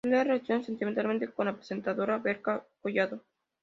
Se le ha relacionado sentimentalmente con la presentadora Berta Collado.